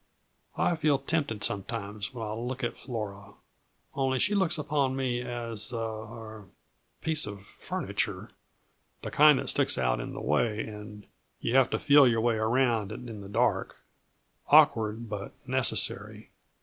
I feel tempted sometimes when I look at Flora only she looks upon me as a er piece of furniture the kind that sticks out in the way and you have to feel your way around it in the dark awkward, but necessary.